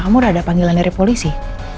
kamu udah ada panggilan dari polisi